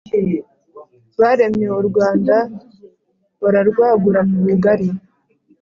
baremye u rwanda bararwagura mu bugari.